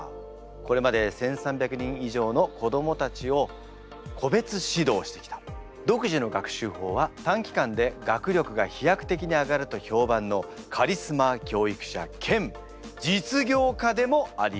これまで１，３００人以上の子どもたちを個別指導してきた独自の学習法は短期間で学力が飛躍的に上がると評判のカリスマ教育者兼実業家でもあります。